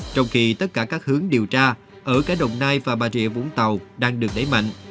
trong khi tất cả các hướng điều tra ở cả đồng nai và bà rịa vũng tàu đang được đẩy mạnh